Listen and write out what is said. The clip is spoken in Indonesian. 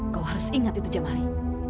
kau harus ingat itu jamali